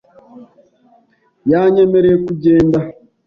Yanyemereye kugenda .